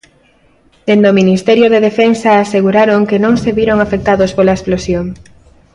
Dende o Ministerio de Defensa aseguraron que non se viron afectados pola explosión.